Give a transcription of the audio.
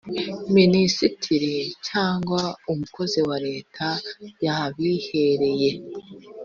minisitiri cyangwa umukozi wa leta yabihereye